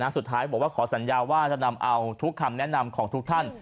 สุดท้ายบอกว่าขอสัญญาว่าจะนำเอาทุกคำแนะนำของทุกท่าน